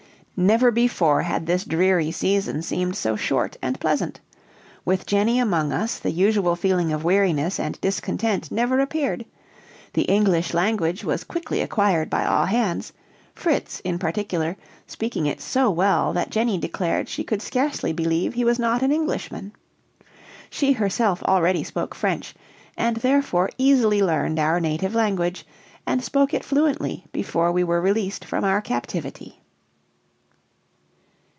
Never before had this dreary season seemed so short and pleasant; with Jenny among us, the usual feeling of weariness and discontent never appeared; the English language was quickly acquired by all hands, Fritz, in particular, speaking it so well that Jenny declared she could scarcely believe he was not an Englishman. She herself already spoke French, and therefore easily learned our native language and spoke it fluently before we were released from our captivity.